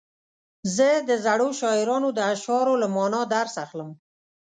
زه د زړو شاعرانو د اشعارو له معنا درس اخلم.